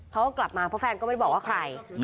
เขาก็กลับมาเพราะแฟนก็ไม่ได้บอกว่าใคร